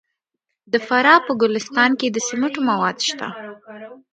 د فراه په ګلستان کې د سمنټو مواد شته.